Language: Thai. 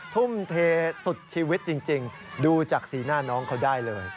ทุ่มเทสุดชีวิตจริงดูจากสีหน้าน้องเขาได้เลย